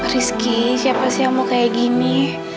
rizky siapa sih yang mau kayak gini